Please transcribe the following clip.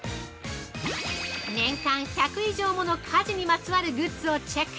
年間１００以上もの家事にまつわるグッズをチェック